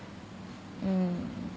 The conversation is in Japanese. うん。